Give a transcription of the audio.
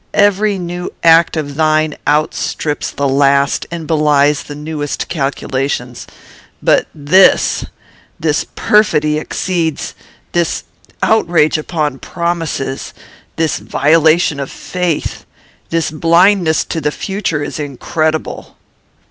Every new act of thine outstrips the last, and belies the newest calculations. But this this perfidy exceeds this outrage upon promises, this violation of faith, this blindness to the future, is incredible."